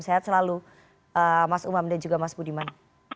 sehat selalu mas umam dan juga mas budiman